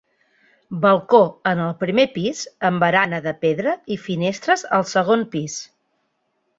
Balcó en el primer pis amb barana de pedra i finestres al segon pis.